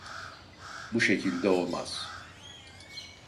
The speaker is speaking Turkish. Bu şekilde olmaz.